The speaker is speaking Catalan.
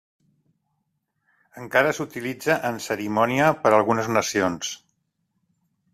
Encara s'utilitza en cerimònia per algunes nacions.